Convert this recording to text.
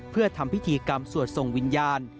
เพื่อทำพิธีกรรมสวดส่งวิญญาณ